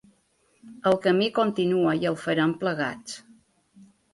El camí continua i el farem plegats.